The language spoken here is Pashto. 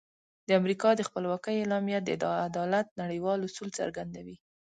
د امریکا د خپلواکۍ اعلامیه د عدالت نړیوال اصول څرګندوي.